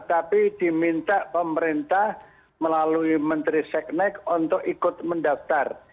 tapi diminta pemerintah melalui menteri seknek untuk ikut mendaftar